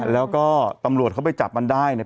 แล้วก็ตำรวจเขาไปจับมันได้เนี่ย